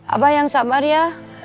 abah yang sabar ya